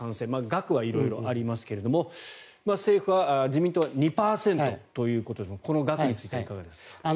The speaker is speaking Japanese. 額は色々ありますが自民党は２％ということですがこの額についてはいかがですか。